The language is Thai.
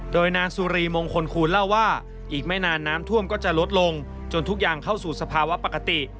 โดยนางสุรีมงคลคูณเล่าว่าอีกไม่นานน้ำท่วมก็จะลดลงจนทุกอย่างเข้าสู่สภาวะปกติ